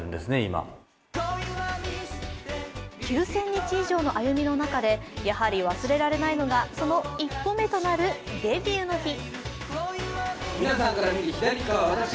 ９０００日以上の歩みの中でやはり忘れられないのがその一歩目となるデビューの日。